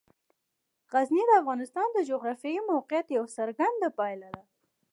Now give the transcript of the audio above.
غزني د افغانستان د جغرافیایي موقیعت یوه څرګنده پایله ده.